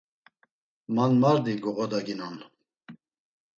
Man mardi moğodaginon.